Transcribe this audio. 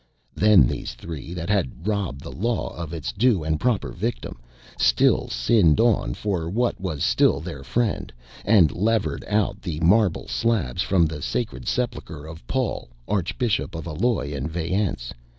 Then these three, that had robbed the Law of its due and proper victim, still sinned on for what was still their friend, and levered out the marble slabs from the sacred sepulchre of Paul, Archbishop of Alois and Vayence.